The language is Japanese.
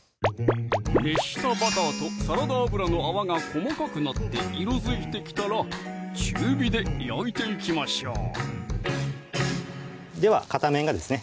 熱したバターとサラダ油の泡が細かくなって色づいてきたら中火で焼いていきましょうでは片面がですね